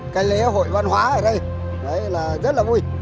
cái lễ hội văn hóa ở đây đấy là rất là vui